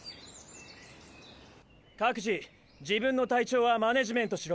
各自自分の体調はマネジメントしろ。